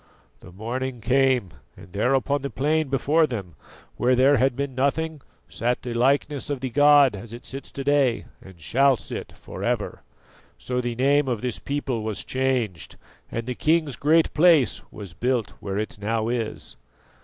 The morning came and there upon the plain before them, where there had been nothing, sat the likeness of the god as it sits to day and shall sit for ever. So the name of this people was changed, and the king's Great Place was built where it now is.